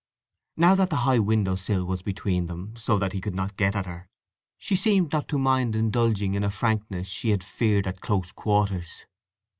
Now that the high window sill was between them, so that he could not get at her, she seemed not to mind indulging in a frankness she had feared at close quarters.